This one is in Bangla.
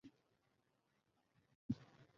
তীর রেখে এবার তারা তরবারি নেয়।